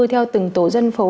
theo từng tổ dân phố